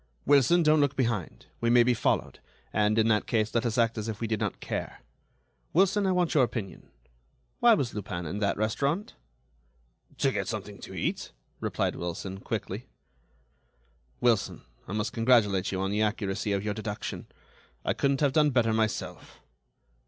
"Wilson, don't look behind. We may be followed, and, in that case, let us act as if we did not care. Wilson, I want your opinion: why was Lupin in that restaurant?" "To get something to eat," replied Wilson, quickly. "Wilson, I must congratulate you on the accuracy of your deduction. I couldn't have done better myself."